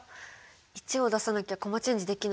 １を出さなきゃコマチェンジできない。